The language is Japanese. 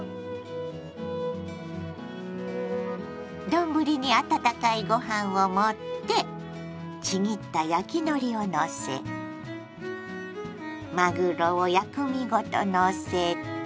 丼に温かいご飯を盛ってちぎった焼きのりをのせまぐろを薬味ごとのせて。